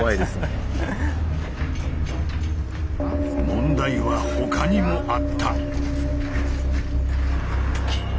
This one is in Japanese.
問題は他にもあった。